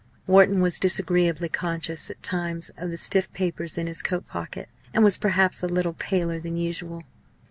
Wharton was disagreeably conscious at times of the stiff papers in his coat pocket, and was perhaps a little paler than usual.